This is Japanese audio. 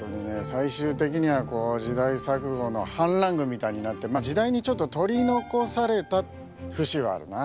最終的には時代錯誤の反乱軍みたいになってまあ時代にちょっと取り残された節はあるな。